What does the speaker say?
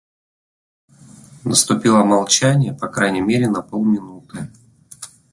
Наступило молчание по крайней мере на полминуты.